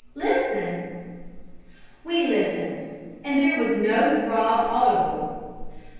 Listen!" We listened, and there was no throb audible.